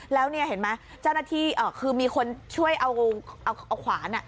แล้วเนี้ยเห็นไหมเจ้าหน้าที่อ่าคือมีคนช่วยเอาเอาเอาขวานอ่ะ